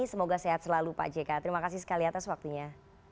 semoga sehat selalu pak jk terima kasih sekali atas waktunya